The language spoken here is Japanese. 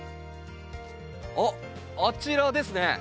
あっあちらですね。